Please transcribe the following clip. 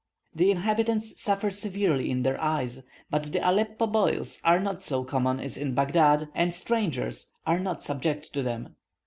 The inhabitants suffer severely in their eyes; but the Aleppo boils are not so common as in Baghdad, and strangers are not subject to them.